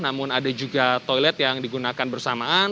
namun ada juga toilet yang digunakan bersamaan